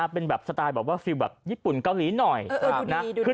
เป็นสไตล์ฟิล์มญี่ปุ่นเกาหลีหน่อยดูดีดูดี